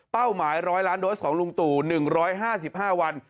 หมาย๑๐๐ล้านโดสของลุงตู่๑๕๕วัน